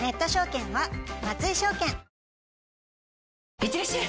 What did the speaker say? いってらっしゃい！